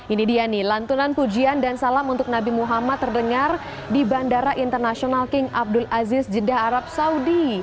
ini dia nih lantunan pujian dan salam untuk nabi muhammad terdengar di bandara internasional king abdul aziz jeddah arab saudi